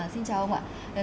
xin chào ông ạ